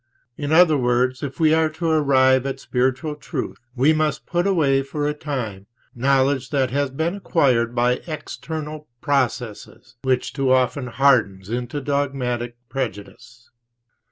In other words, if we are to arrive at pure spiritual truth, we must put away, for the time, knowledge which has been acquired by, external processes and which too often hardens into dogmatic prejudice.